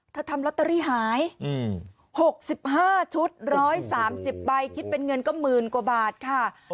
ทำลอตเตอรี่หาย๖๕ชุด๑๓๐ใบคิดเป็นเงินก็หมื่นกว่าบาทค่ะ